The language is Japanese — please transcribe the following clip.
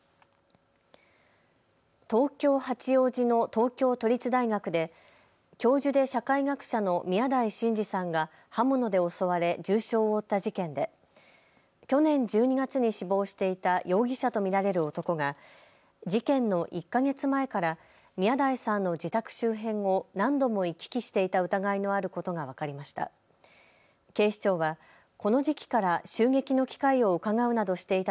東京八王子の東京都立大学で教授で社会学者の宮台真司さんが刃物で襲われ重傷を負った事件で去年１２月に死亡していた容疑者と見られる男が事件の１か月前から宮台さんの自宅周辺を何度も行き来していた疑いのあることが分かりました。